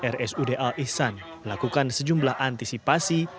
rsud al ihsan melakukan sejumlah antisipasi